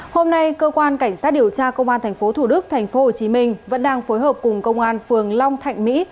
hôm nay cơ quan cảnh sát điều tra công an tp thủ đức tp hcm vẫn đang phối hợp cùng công an phường long thạnh mỹ